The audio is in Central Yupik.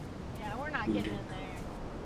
nutek